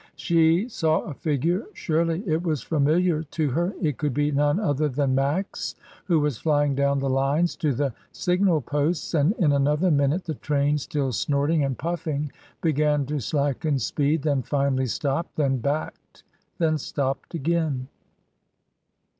She saw a figure, surely it was familiar to her, it could be none other than Max who was flying down the lines to the signal posts, and in another minute the train, still snorting and puffing, began to slacken speed, then finally stopped, then backed, then stopped again.